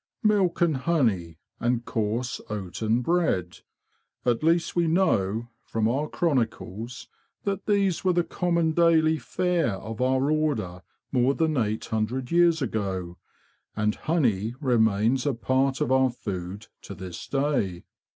Milk and honey, and coarse oaten bread. At least we know, from our chronicles, that these were the common daily fare of our Order more than eight hundred years ago; and honey remains a part of our food to this day."